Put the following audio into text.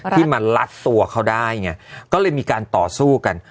ที่มาลัดตัวเขาได้ไงก็เลยมีการต่อสู้กัน